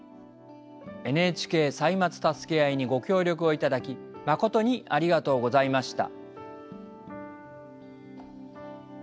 ＮＨＫ「歳末たすけあい」にご協力を頂き誠にありがとうございました。